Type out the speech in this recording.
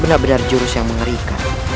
benar benar jurus yang mengerikan